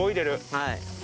はい。